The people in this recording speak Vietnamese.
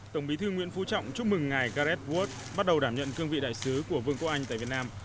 tổng bí thư nguyễn phú trọng chúc mừng ngày gareth wood bắt đầu đảm nhận cương vị đại sứ của vương quốc anh tại việt nam